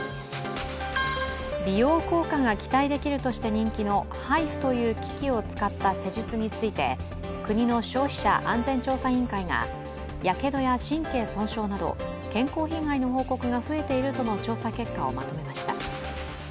美容効果が期待できるとして人気のＨＩＦＵという機器を使った施術について国の消費者安全調査委員会がやけどや神経損傷など、健康被害の報告が増えているとの調査結果をまとめました。